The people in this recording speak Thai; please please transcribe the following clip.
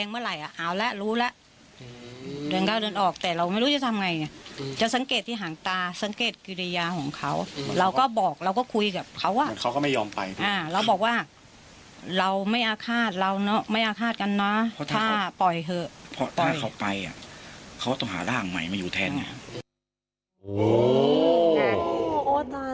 เพราะถ้าเขาไปอ่ะเขาต้องหาร่างใหม่มาอยู่แทนเนี่ย